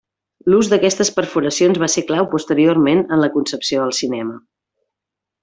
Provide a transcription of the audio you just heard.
L'ús d'aquestes perforacions va ser clau posteriorment en la concepció del cinema.